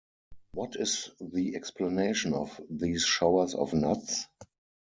What is the explanation of these showers of nuts?